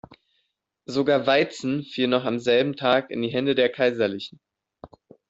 Sogar Waitzen fiel noch am selben Tag in die Hände der Kaiserlichen.